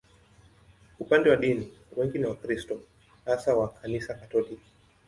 Upande wa dini, wengi ni Wakristo, hasa wa Kanisa Katoliki.